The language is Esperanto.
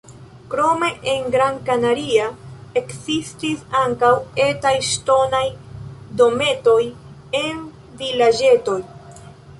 Krome en Gran Canaria ekzistis ankaŭ etaj ŝtonaj dometoj en vilaĝetoj.